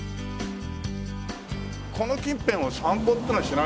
この近辺を散歩っていうのはしないでしょ？